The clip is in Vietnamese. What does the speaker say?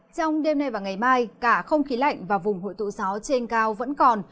trong đêm nay và ngày mai cả không khí lạnh và vùng hội tụ gió trên cao vẫn còn